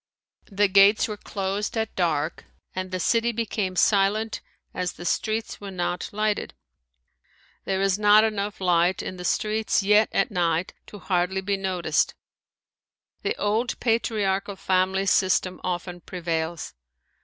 The gates were closed at dark and the city became silent as the streets were not lighted. There is not enough light in the streets yet at night to hardly be noticed. The old patriarchal family system often prevails.